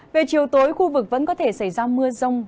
về chiều tối khu vực vẫn có thể xảy ra mưa rông